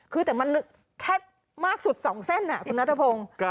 คือแต่มันแค่มากสุด๒เส้นคุณนัทพงศ์